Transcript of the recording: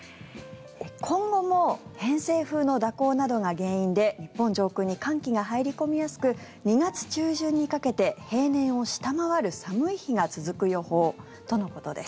今後も偏西風の蛇行などが原因で日本上空に寒気が入り込みやすく２月中旬にかけて平年を下回る寒い日が続く予報とのことです。